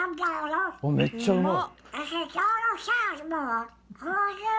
めっちゃうまい！